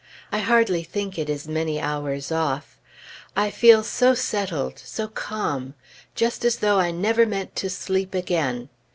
I hardly think it is many hours off. I feel so settled, so calm! Just as though I never meant to sleep again.